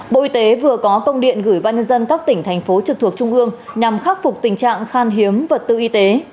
bộ y tế vừa có công điện gửi ban nhân dân các tỉnh thành phố trực thuộc trung ương nhằm khắc phục tình trạng khan hiếm vật tư y tế